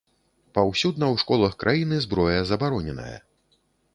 Паўсюдна ў школах краіны зброя забароненая.